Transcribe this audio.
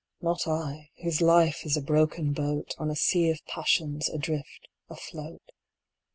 Not I, whose life is a broken boat On a sea of passions, adrift, afloat.